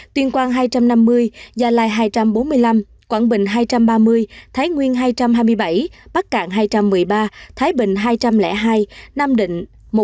tuyên quang hai trăm năm mươi gia lai hai trăm bốn mươi năm quảng bình hai trăm ba mươi thái nguyên hai trăm hai mươi bảy bắc cạn hai trăm một mươi ba thái bình hai trăm linh hai nam định một trăm bảy mươi chín